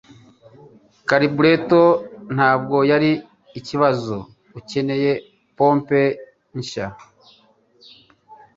Carburetor ntabwo yari ikibazo. Ukeneye pompe nshya.